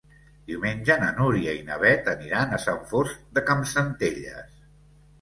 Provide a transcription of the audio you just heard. Diumenge na Núria i na Beth aniran a Sant Fost de Campsentelles.